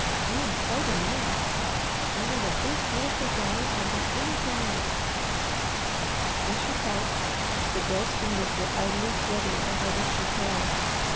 I am quite in earnest. I want a big, beautiful doll more than anything else." As she talked the Girl's fingers were idly threading the Harvester's hair.